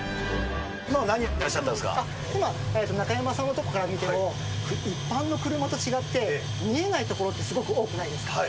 今は何をしてらっしゃったん中山さんのところから見ても、一般の車と違って、見えない所って、すごく多くないですか。